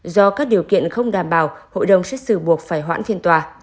do các điều kiện không đảm bảo hội đồng xét xử buộc phải hoãn phiên tòa